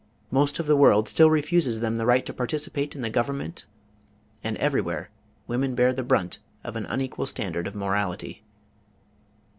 Most of the world still refuses them the right to participate in the government and everywhere women bear the brunt of an unequal standard of morality.